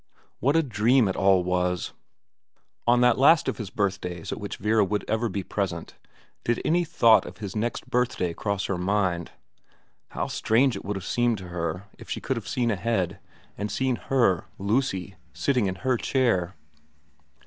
What a dream it all was. On that last of his birthdays at which Vera would ever be present, did any thought of his next birthday cross her mind ? How strange it would have seemed to her if she could have seen ahead, and seen her, Lucy, sitting in her chair.